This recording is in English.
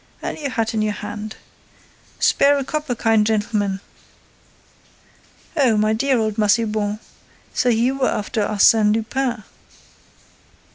And our hat in our hand.—Spare a copper, kind gentleman!—Oh. my dear old Massiban, so you were after Arsène Lupin!"